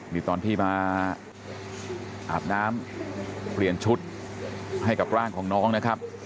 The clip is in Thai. นี่ตอนที่มาอาบน้ำเปลี่ยนชุดให้กับร่างของน้องนะครับ